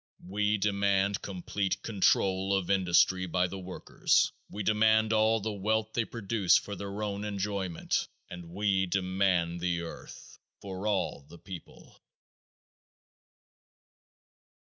We demand complete control of industry by the workers; we demand all the wealth they produce for their own enjoyment, and we demand the earth for all the people.